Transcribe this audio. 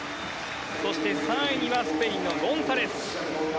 そして３位にはスペインのゴンサレス。